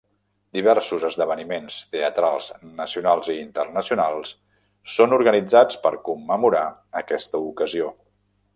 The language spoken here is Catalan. Diversos esdeveniments teatrals nacionals i internacionals són organitzats per commemorar aquesta ocasió.